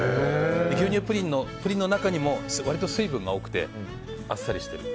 牛乳プリンの中にも割と水分が多くてあっさりしている。